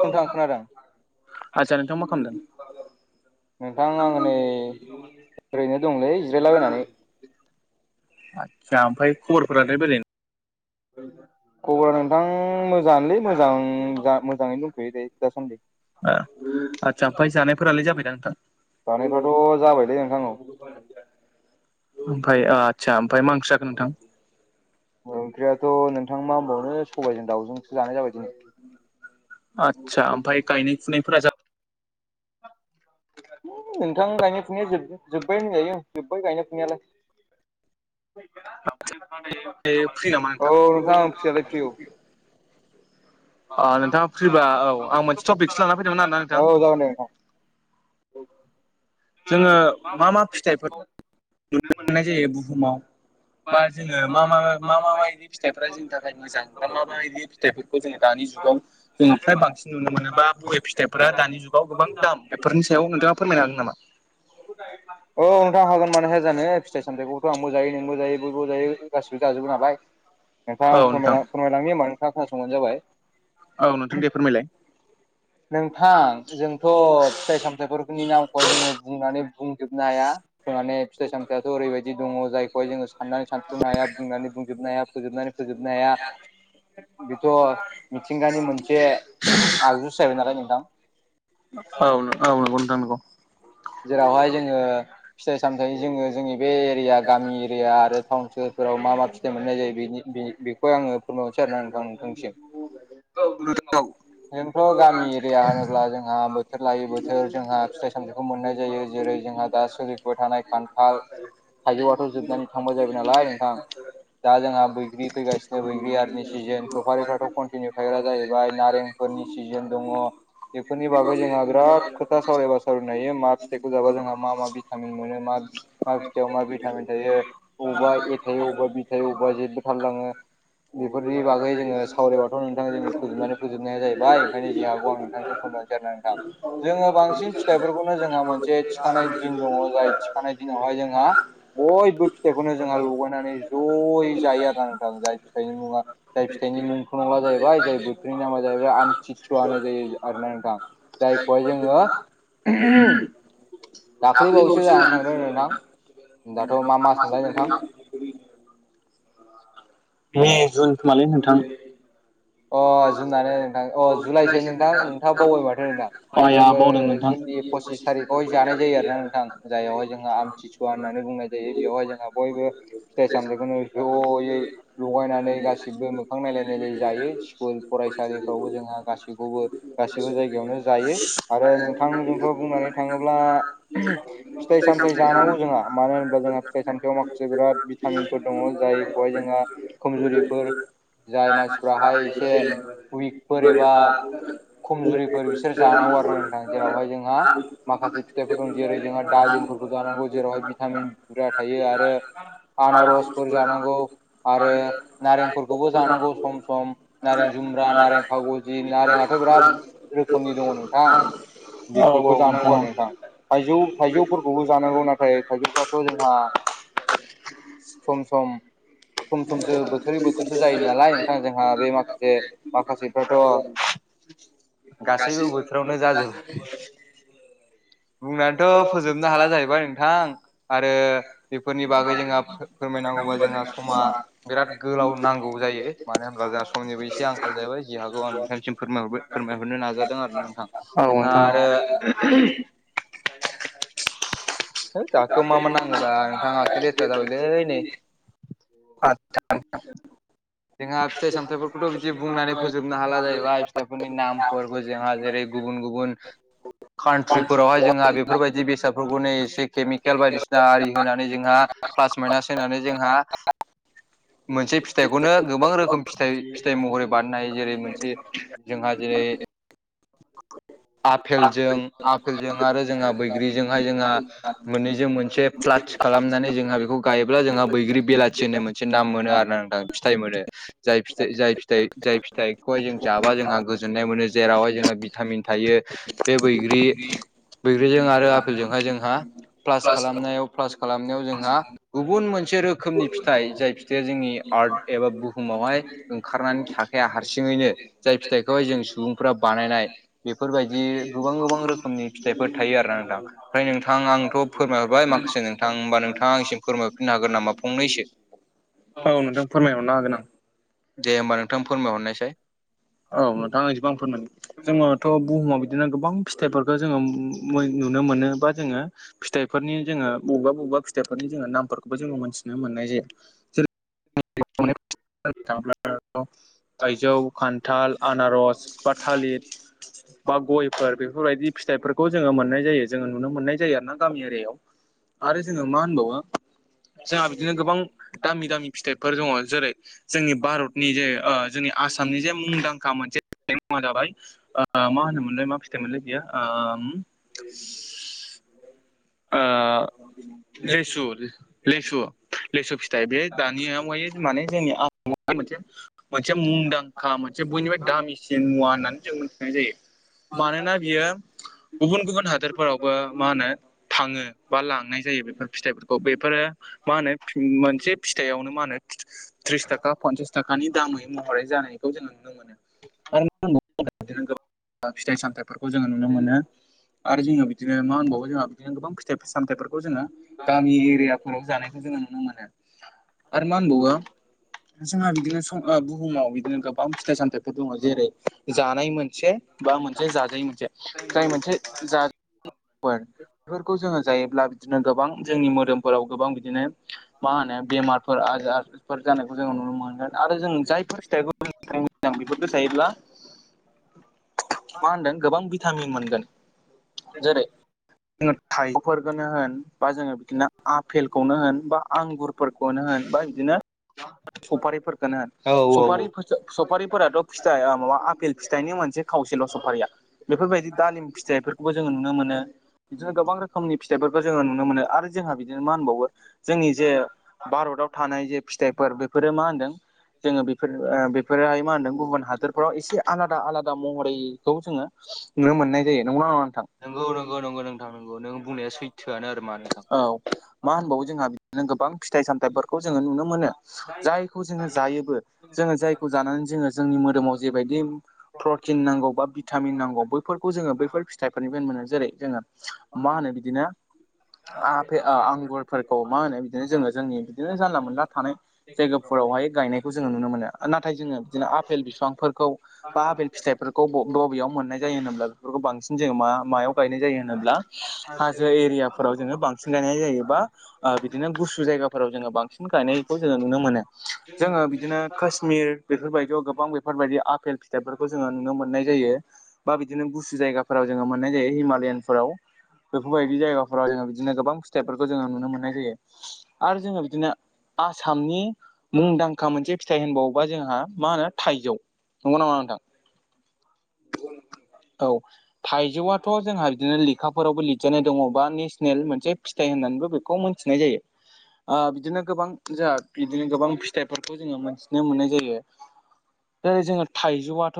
नोंथां खोनादों। आदसा नोंथां मा खालामदों नोंथां आं नै ओरैनो दंलै जिरायलाबायनानै। आटचा ओमफ्राय खबरफोरालाय बोरै? खबरा नोंथां मोजाङानोलै मोजां मोजाङैनो दंथ'यो दायो दासान्दि। ओ आदसा ओमफ्राय जानायफोरालाय जाबायदा नोंथां? जानायफ्राथ' जाबायलै नोंथां औ। ओमफ्राय ओ आदसा ओमफ्राय मा ओंख्रि जाखो नोंथां? ओंख्रियाथ' नोंथां मा होनबावनो सबायजों दाउजोंसो जानाय जाबाय दिनै। आटचा ओमफ्राय गायनाय फुनायफोरा जा नोंथां गायनाय फुनाया जोब-जोब्बाय होनजायो जोब्बाय गायनाय फुनायालाय। औ जाबाय नोंथां फ्रि नामा नोंथां फ्रियालाय फ्रि औ। ओ [unintelligible] नोंथाङा फ्रिबा आं औ मोनसे टपिकसो लाना फैदोंमोन जागोन आरोना नोंथां दे नोंथां। औ। जोङो मा मा फिथाइफोर नुनो मोननाय जायो बुहुमाव बा जोङो मा मा मा मा बायदि फिथाइफोरा जोंनि थाखाय मोजां बा मा बायदि फिथाइफोरखौ जोङो दानि जुगाव जोंआ फ्राय बांसिन नुनो मोनो बा बबे फिथाइफोरा दानि जुगाव गोबां दाम बेफोरनि सायाव नोंथाङा फोरमायनो हागोन नामा? औ नोंथां हागोन मानो हाया जानो फिथाइ सामथायखौथ' आंबो जायो नोंबो जायो बयबो जायो गासिबो जाजोबो नालाय। [inaudible] नोंथां आं फोरमाय फोरमायलांनि ओमबा नोंथाङा खोनासंबानो जाबाय। औ नोंथां दे फोरमायलाय। नोंथां जोंथ' फिथाइ-सामथाइफोरनि नामखौहाय जोङो बुंनानै बुंजोबनो हाया। माने फिथाइ सामथाइआथ' ओरैबायदि दङ जायखौहाय जोङो साननानै सानथ्र'नो हाया बुंनानै बुंजोबनो हाया। फोजोबनानै फोजोबनो हाया। दा बेथ' मिथिंगानि मोनसे आगजुसो जाहैबाय नालाय नोंथां। औ औ नंगौ नोंथां नंगौ। जेरावहाय जोङो फिथाइ-सामथाय जोङो जोंनि बे एरिया गामि एरिया आरो टाउन सोहोरफोराव मा मा फिथाइ मोननाय जायो बेनि-बेनि-बे- बेखौबो आङो फोरमायबावनोसै आरो ना नोंथां नोंथांनिसिम। [unintelligible] जोंथ' गामि एरिया होनोब्ला जोंहा बोथोर लायै बोथोर जोंहा फिथाइ-सामथाइखौ मोननाय जायो जेरै जोंहा दा सोलिफुबाय थानाय खान- थाल थाइजौआथ' जोबनानै थांबाय जाहैबाय नालाय नोंथां। दा जोंहा बैग्रि फैगासिनो बैग्रि आरिनि सिजोन सफारिफ्राथ' कन्टिनिउ थायग्रा जाहैबाय नारें फोरनि सिजन दङ। बेफोरनि बागै जोंहा बिराद खोथा सावरायबा सावराय- हायो मा फिथाइखौ जाबा जोंहा मा मा भिटामिन मोनो मा मा फिथायाइाव मा भिटामिन थायो अबावबा ए थायो अबेबा बि थायो अबेबा जेत थालायलाङो। बेफोरनि बागै जोङो सावरायबाथ' नोंथांजों जों फोजोबनानै फोजोबनाया जाहैबाय ओंखायनो जि हागौ आं नोंथांजों फोरमाय- नोसै आरो ना नोंथां जोङो बांसिन फिथाइफोरखौनो जोंहा मोनसे थिखानाय दिन दङ जाय थिखानाय दिनावहाय जोंहा बयबो फिथाइखौनो जोंहा लगायनानै जयै जायो आरो ना नोंथां। जाय फिथाइनि मुङा जाय फिथाइनि मुंथ नंला जाहैबाय जाय बोथोरनि नामा जाहैबाय आमथिसुवा होननाय जायो आरो ना नोंथां। जायखौहाय जोङो [unintelligible] दाख्लै बावैसो जानानै थांदों नोंथा। दाथ' मा मास मोनलाय नोंथा? मे जुन खोमालै नोंथां। अ जुन आनो। नोंथां अह जुलाइसो नोंथां नोंथाङा बावबाय माथो नोंथां आया जोङो बावदों नोंथां। जुननि पसिस थारिख- यै बेवहाय जानाय जायो आरो ना नोंथां जायआवहाय जोंहा आमथिसुवा होननानै बुंनाय जायो बेयावहाय जोंहा बयबो फिथाय-सामथायखौनो जयै लगायनानै गासिबो मोखां नायलाय नायलाय जायो। स्कुल फरायसालिफ्रावबो जोंहा गासिबो बेखौबो गासैबो जायगायावनो जायो आरो नोंथां जोंथ' बुंनानै थाङोब्ला फिथाइ सामथाइ जानांगौ जोंहा मानो होनोबा जोंहा फिथाइ सामथायआव माखासे बिराद भिटामिनफोर दङ जायखौहाय जोंहा खमजुरिफोर जाय मानसिफ्राहाय एसे उइक- फोर एबा खमजुरिफोर बिसोर जानांगौ आरो नोंथां। जेरावहाय जोंहा माखासे फिथाइफोर दं जेरै जोंहा दालिमफोरखौ जानांगौ जेरावहाय भिटामिन बुरजा थायो आरो आनारसफोर जानांगौ। आरो नारें फोरखौबो जानांगौ सम सम नारें जुमब्रा नारें कमला जि नारेंथ' बिराद रोखोमनि दङ नोंथां औ औ बेफोरखौ जानांगौ औ आरो नोंथां थाइजौ थाइजौफोरखौबो जानांगौ नाथाय थाइगिरफ्राथ' जोंहा सम सम सम समसो बोथोरै बोथोरसो जायो नालाय ओंखाय जोंहा बे माखासे माखासेफ्राथ' गासैबो बोथोरावनो जाजोबो बुंनानैथ' फोजोबनो हाला जाहैबाय नोंथां आरो बेफोरनि बागै जोंहा फोरमायनांगौबा जोंहा समा बिराद गोलाव नांगौ जायो मानो होनबब्ला जोंहा समनिबो एसे आंखाल जाहैाय जहाागखौ आं नोंथांनिसिम फोरमायहरबाय फोरमायहरनो नाजादों आर ना नोंथां औ नोंहा नोंथां आरो है गाखो मा मा नाङोब्रा नोंथाङासिनो रेस जाबायलै नै आ जोंहा फिथाइ सामथाइफोरखौथ' बिदि बुंनानै फोजोबनो हाला जाहैबाय फिथाइफोरनि नामफोरखौ जोंहा जेरै गुबुन गुबुन द कान्ट्रिफोरावहाय जोंहा बेफोरबायदि बेसादफोरखौ नै एसे केमिकेल बायदिसिना आरि होनानै जोंहा प्लास माइनास होनानै जोंहा मोनसे फिथाइ बेखौनो गोबां रोखोम फिथ फिथाइ महरै बानायनाय जेरै मोनसे जोंहा आफेलजों आफेलजों आरो जोंहा बैग्रिजोंहाय जोंहा मोननैजों मोनसे प्लाथि खालामनानै जोंहा बेखौ गायोब्ला जोंहा बैग्रि बेलाथि होननाय मोनसे नाम मोनो आरो ना नोंथां फिथाइ मोनो जाय फिथ जाय फिथाइ जाय फिथाइ खौहाय जों जाबा जोंहा गोजोननाय मोनो जेरावहाय जोंहा भिटामिन थायो बे बैग्रि बैग्रिजों आरो आफपेलजोंहाय जोंहा प्लास खालामनायाव प्लास खालामनायाव जोंहा गुबुन मोनसे रोखोमनि फिथाइ जाय फिथाइया जोंनि आर्ट एबा बुहुमावहाय ओंखारनानै थाखाया हारसिङैनो जाय फिथाइखौहाय जों सुबुंफोरा बानायनाय बेफोरबायदि गोबां गोबां रोखोमनि फिथाइफोर थायो आरो ना नोंथां ओमफ्राय नोंथांा आंथ' फोरमायहरबाय माखासे नोंथां होनबा नोंथाङांसिम फोरमायफिनोागोन नामा फंनसो औ नोंथां फोरमायहरनो हागोन आं दे होमबा नोंथां फोरमायहरनायसाय औ नोंथाङा एसेबां फोरमाय जोङोथ' बुहुमाव बिदिनो गोबां फिथाइफोरखौ जोङो नुनो मोनो बा जोङो फिथाइफोरनि जोङो बबेबा बबेबा फिथाइफोरनि जोङो नामफोरखौबो जोङो मोनथिनो मोननाय जाया थाङ्ला थाइजौ खान्थाल आनारस बा थालिर बा गयफोर बेफोरबायदि फिथाइफोरखौ जोङो मोननाय जायो जोङो नुनो मोननाय जायो आरो ना गामि एरियायाव आरो जोङो मा होनबावो जोंहा बिदिनो गोबां दामि दामि फिथाइफोर दङ जेरै जोंनि भारतनि जे जोंनि आसामनि जे मुंदांखा मोनसे मुङा जाबाय मा होनोमोनलाय मा फिथाइ मोनलाय बियो ओम ओ लेसु लेसु लेसु फिथाइ बे मुंदांखा मोननि मेचन मुवा होननानै जों मोनथिनाय जायो मानोना बियो गुबुन गुबुन हादोरफोरावबो मा होनो थाङो बा लांनाय जायो बेफोर फिथाइफोरखौ बेफोरो मा होनो मोनसे फिथथायावनो मा होनो त्रिस थाखा पन्सास थाखानि दामै महरै जानायखौ जों नुनो मोनो आरो मोन बिनो गोबां फिथाइ सामथ फोरफोरखौ जोङो नुनो मोनो आरो जोङो बिदिनो मा होनबावो जोंहा बिदिनो गोबां फिथाइ सामथायाइफोरखौ जोङो गामि एरियाफोराव जानायखौ जोङो नुनो मोनो आरो मा होनबावो जोंहा बिदिनो सम ओ बुहुमाव बिदिनो गोबां फिथाइ सामथाइफोर दङ जेरै जानाय मोनसे बा मोनसे जाजायै मोनसे जाय मोनसे फोर बेफोरखौ जोङो जायोब्ला बिदिनो गोबां जोंनि मोदोमफोराव गोबां बिदिनो मा होनो बेमारफोर आजारफोर जानायखौ जोङो नुनो मोनगोन आरो जों जायफोर फिथाइखौ [unintelligible] बेफोरखौ जायोब्ला मा होनदों गोबां भिटामिन मोनगोन जेरै जोङो थाइजौफोरखौनो होन बा जोङो बिदिनो आफेलखौनो होन बा आंगुर फोरखौनो होन बा बिदिनो सफारिफोरखौनो होन औ औ औ सफारि सफारिफोराथ' फिथाइआ माबा आपेल फिथाइनि मोनसे खावसेल' सफारिया बेफोरबायदि दालिम फिथाइफोरखौबो जोङो नुनो मोनो बिदिनो गोबां रोखोमनि फिथाइफोरखौ जोङो नुनो मोनो आरो जोंहा बिदिनो मा होनबावो जोंनि जे भारताव थानाय जे फिथाइफोर बेफोरो मा होनदों जोङो बेफोरो बेफोरोहाय मा होनदों गुबुन हादोरफोराव एसे आलादा आलादा महरैखौ जोङो नुनो मोननाय जायो नंगौना नङा नोंथां नंगौ नंगौ नोंथां नंगौ नों बुंनाया सैथोआनो आरो मा नोंथां औ मा होनबावो जोंहा बिदिनो गोबां फिथाइ सामथाइफोरखौ जोङो नुनो मोनो जायखौ जोङो जायोबो जोङो जायखौ जानानै जोङो जोंनि मोदोमाव जेबायदि प्रटिन नांगौबा भिटामिन नांगौ बैफोरखौ जोङो बैफोर फिथाइफोरनि फायनो मोनो जेरै जोङो मा होनो बिदिनो आफे आंगुरफोरखौ मा होनो बिदिनो जोङो जोंनि बिदिनो जानला मोनला थानाय जायगाफोरावहाय गायनायखौ जोङो नुनो मोनो नाथाय जोङो बिदिनो आपेल बिफांफोरखौ बा आपेल फिथाइफोरखौ बबेयाव मोननाय जायो होनोब्ला बेफोरखौ बांसिन जों मा मायाव गायनाय जायो होनोब्ला हाजो एरियाफोराव जोङो बांसिन गायनाय जायोबा ओ बिदिनो गुसु जायगाफोराव जोङो बांसिन गायनायखौ जोङो नुनो मोनो जोङो बिदिनो कोस मिर बेफोरबायदियाव गोबां बेफोरबायदि आपेल फिथाइफोरखौ जोङो नुनो मोननाय जायो बा बिदिनो गुसु जायगाफोराव जोङो मोननाय जायो हिमालयानफोराव बेफोरबायदि जायगा फोराव जोङो बिदिनो गोबां फिथाइफोरखौ जोङो नुनो मोननाय जायो आरो जोङो बिदिनो आसामनि मुंदांखा मोनसे फिथाइ होनबावोबा जोंहा मा होनो थाइजौ नंगौ ना नङा नोंथां औ थाइजौआथ' जोंहा बिदिनो लेखाफोरावबो लिरजानाय दङ बा नेसनेल मोनसे फिथाइ होन्नानैबो बेखौ मोनथिनाय जायो ओ बिदिनो गोबां जोंहा बिदिनो गोबां फिथाइफोरखौ जोङो मोनथिनो मोननाय जायो जेरै जोङो थाइजौआथ'